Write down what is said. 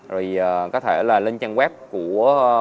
rồi có thể là lên trang web của